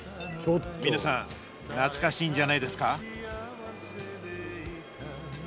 峰さん懐かしいんじゃないですか？